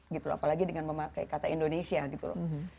gitu apalagi dengan memakai kata indonesia gitu loh